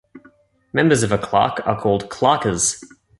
Members of a claque are called claqueurs.